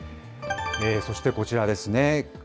そしてこちらですね。